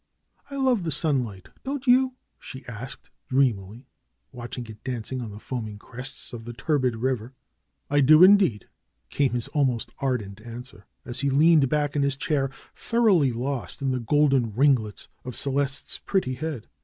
"I love the sunlight, don't you?" she asked, dream ily, watching it dancing on the foaming crests of the turbid river. "I do, indeed !" came his almost ardent answer, as he leaned back in his chair, thoroughly lost in the golden ringlets of Celeste's pretty head.